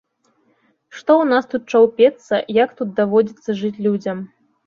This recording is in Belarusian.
Што ў нас тут чаўпецца, як тут даводзіцца жыць людзям!